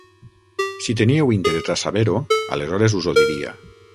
Si teníeu interès a saber-ho, aleshores us ho diria.